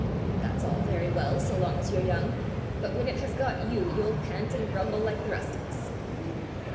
"That's all very well so long as you're young; but when it has got you, you'll pant and grumble like the rest of us."